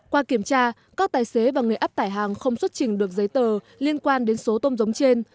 qua kiểm tra các tài xế và người áp tải hàng không xuất trình được giấy tờ liên quan đến số tôm giống trên